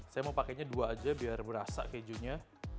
saya mau pakainya dua aja biar berasa kejunya